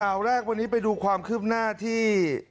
ข่าวแรกวันนี้ไปดูความคืบหน้าที่